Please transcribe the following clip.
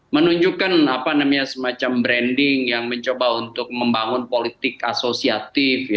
menunjukkan semacam branding yang mencoba untuk membangun politik asosiatif